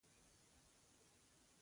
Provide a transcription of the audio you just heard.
هغه دا متن د شاه جهان دربار ته راوړ.